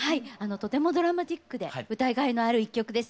とてもドラマチックで歌いがいのある一曲です。